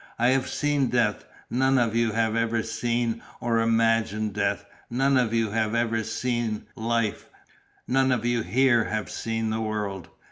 I have seen death, none of you here have ever seen or imagined death, none of you here have ever seen life, none of you here have seen the world.